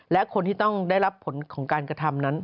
และคนที่ต้องได้รับผลของการกระทำนั้น